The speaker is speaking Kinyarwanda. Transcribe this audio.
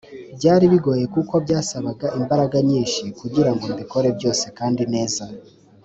Byari bigoye kuko byansabaga imbaraga nyinshi kugira ngo mbikore byose kandi neza.